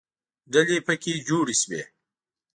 ډلې پکې جوړې شوې.